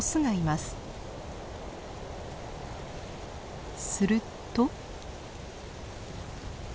すると。